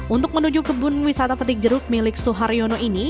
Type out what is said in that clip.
untuk menuju kebun wisata petik jeruk milik suharyono ini